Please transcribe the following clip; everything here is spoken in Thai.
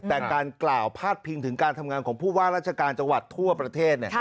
แต่การกล่าวพาดพิงถึงการทำงานของผู้ว่าราชการจังหวัดทั่วประเทศ